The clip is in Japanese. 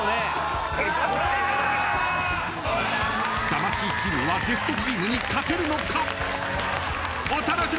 魂チームはゲストチームに勝てるのか。